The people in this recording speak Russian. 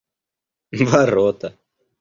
ворота